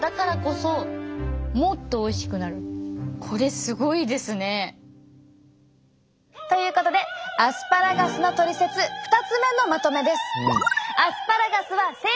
これすごいですね。ということでアスパラガスのトリセツ２つ目のまとめです。